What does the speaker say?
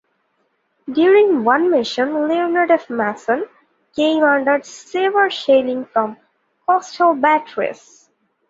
During one mission, "Leonard F. Mason" came under severe shelling from coastal batteries.